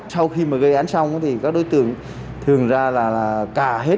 sau khi mà gây án xong thì các đối tượng thường ra là cà hết